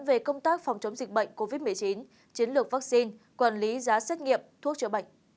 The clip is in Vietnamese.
về công tác phòng chống dịch bệnh covid một mươi chín chiến lược vaccine quản lý giá xét nghiệm thuốc chữa bệnh